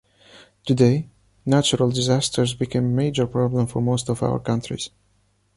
Today, natural disasters became a major problem for most of our countries.